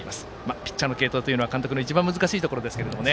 ピッチャーの継投というのは監督の一番難しいところですけどね。